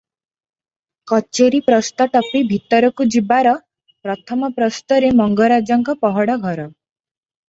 କଚେରି ପ୍ରସ୍ତ ଟପି ଭିତରକୁ ଯିବାର ପ୍ରଥମ ପ୍ରସ୍ତରେ ମଙ୍ଗରାଜଙ୍କ ପହଡ଼ ଘର ।